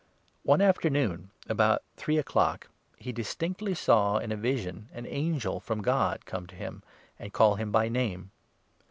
One afternoon, about three o'clock, he distinctly saw 3 in a vision an angel from God come to him, and call him by name.